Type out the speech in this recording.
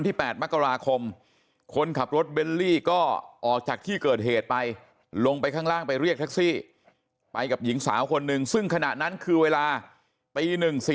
๘มกราคมคนขับรถเบลลี่ก็ออกจากที่เกิดเหตุไปลงไปข้างล่างไปเรียกแท็กซี่ไปกับหญิงสาวคนหนึ่งซึ่งขณะนั้นคือเวลาตี๑๔